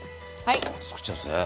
つくっちゃうんですね。